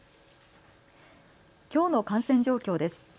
きょうの感染状況です。